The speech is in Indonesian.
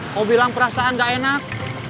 mau bilang perasaan gak enak